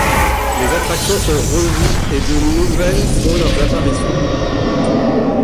Les attractions sont revues et de nouvelles font leur apparition.